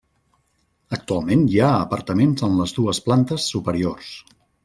Actualment hi ha apartaments en les dues plantes superiors.